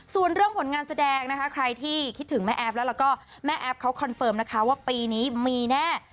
ส่วนเรื่องผลงานแสดงนะคะใครที่คิดถึงแม่แอฟแล้วแล้วก็แม่แอฟเขาคอนเฟิร์มนะคะว่าปีนี้มีแน่